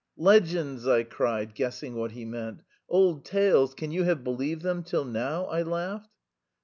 "Legends!" I cried, guessing what he meant. "Old tales. Can you have believed them till now?" I laughed.